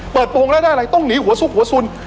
โปรงแล้วได้อะไรต้องหนีหัวซุกหัวสุน